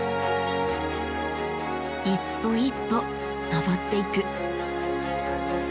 一歩一歩登っていく。